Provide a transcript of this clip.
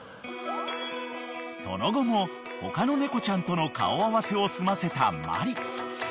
［その後も他の猫ちゃんとの顔合わせを済ませたマリ］